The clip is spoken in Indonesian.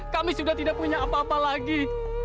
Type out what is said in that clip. kami sudah tidak punya apa apa lagi